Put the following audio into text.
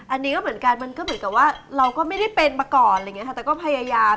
อันนี้ก็เหมือนกันมันก็เหมือนกับว่าเราก็ไม่ได้เป็นมาก่อนอะไรอย่างนี้ค่ะแต่ก็พยายาม